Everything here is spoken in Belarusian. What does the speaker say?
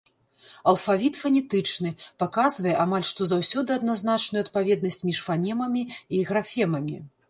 Алфавіт фанетычны, паказвае амаль што заўсёды адназначную адпаведнасць між фанемамі й графемамі.